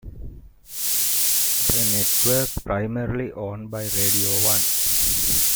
The network primarily owned by Radio One.